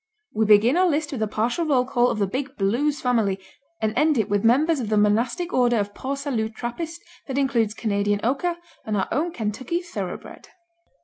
We begin our list with a partial roll call of the big Blues family and end it with members of the monastic order of Port Salut Trappist that includes Canadian Oka and our own Kentucky thoroughbred.